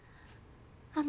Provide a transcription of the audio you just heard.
あの。